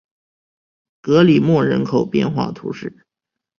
格里莫人口变化图示